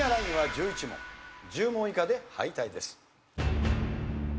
１０問以下で敗退です。